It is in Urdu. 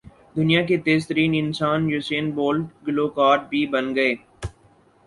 دنیا کے تیز ترین انسان یوسین بولٹ گلو کار بھی بن گئے